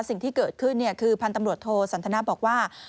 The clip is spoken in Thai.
สิ่งที่เกิดขึ้นคือพันธ์ตำรวจโทสันทนาบอกว่า